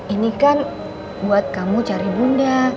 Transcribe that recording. ini kan buat kamu cari bunda